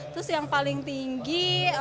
terus yang paling tinggi